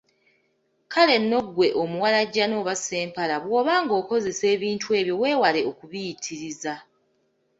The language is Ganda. Kale nno ggwe omuwalajjana oba Ssempala bw’oba ng’okozesa ebintu ebyo weewale okubiyitiriza.